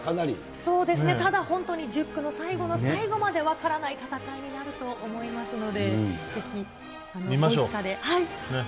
そうですね、ただ本当に１０区の最後の最後まで分からない戦いになると思いますので。